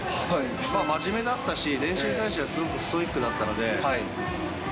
真面目だったし、練習に対してはすごくストイックだったので。